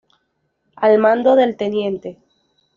Al mando del Tte.